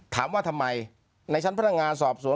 ถามว่าทำไมในชั้นพนักงานสอบสวน